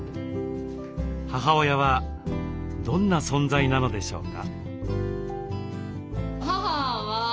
母親はどんな存在なのでしょうか。